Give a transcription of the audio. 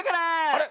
あれ？